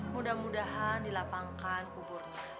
mudah mudahan dilapangkan kuburnya